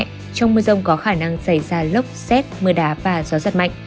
trong mưa rông có khả năng xảy ra lốc xét mưa đá và gió giật mạnh